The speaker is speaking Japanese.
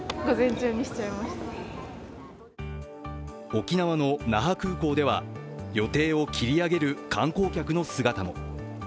沖縄の那覇空港では予定を切り上げる観光客の姿も。